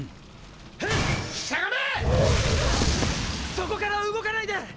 そこから動かないで！